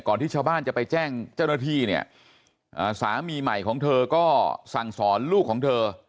ที่ชาวบ้านจะไปแจ้งเจ้าหน้าที่เนี่ยสามีใหม่ของเธอก็สั่งสอนลูกของเธอ